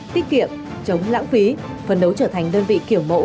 tiết kiệm chống lãng phí phân đấu trở thành đơn vị kiểu mẫu